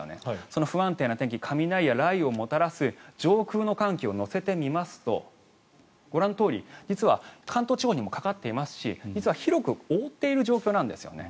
その不安定な天気雷や雷雨をもたらす上空の寒気を乗せてみますとご覧のとおり関東地方にかかっていますし、実は広く覆っている状況なんですよね。